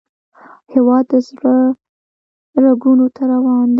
هیواد د زړه رګونو ته روان دی